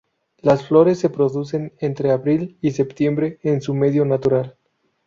Las flores se producen entre abril y septiembre en su medio natural.